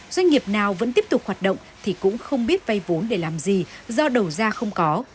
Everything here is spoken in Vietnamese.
doanh nghiệp nào vẫn tiếp tục hoạt động thì cũng không biết vay vốn để làm gì do đầu ra không có